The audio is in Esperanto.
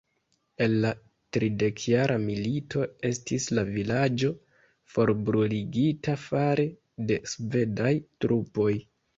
En la Tridekjara Milito estis la vilaĝo forbruligita fare de svedaj trupoj.